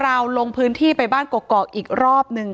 ถ้าใครอยากรู้ว่าลุงพลมีโปรแกรมทำอะไรที่ไหนยังไง